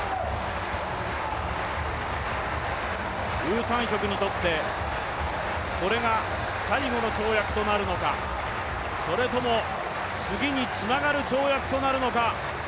ウ・サンヒョクにとってこれが最後の跳躍となるのか、それとも、次につながる跳躍となるのか。